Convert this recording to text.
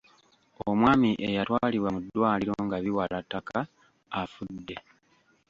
Omwami eyatwalibwa mu ddwaliro nga biwala ttaka afudde.